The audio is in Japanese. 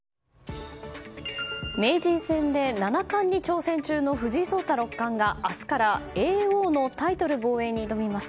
名人戦で七冠に挑戦中の藤井聡太六冠が明日から叡王のタイトル防衛に挑みます。